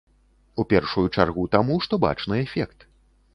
У першую чаргу таму, што бачны эфект.